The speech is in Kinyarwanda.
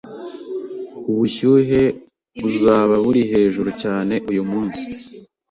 Ubushyuhe buzaba buri hejuru cyane uyumunsi